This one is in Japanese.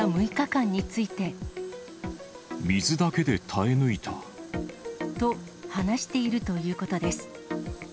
水だけで耐え抜いた。と、話しているということです。